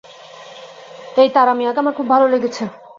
এই তারা মিয়াকে আমার খুব ভালো লেগেছে!